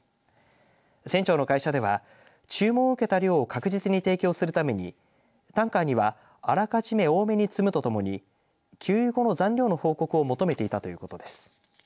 船長の会社では注文を受けた量を確実に提供するためにタンカーには、あらかじめ多めに積むとともに給油後の残量の報告を求めていたということです。